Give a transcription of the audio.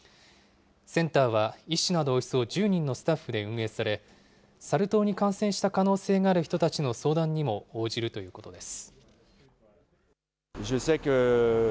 センターは医師などおよそ１０人のスタッフで運営され、サル痘に感染した可能性がある人たちの相談にも応じるということです。